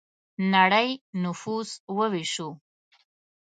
نړۍ نفوس وویشو.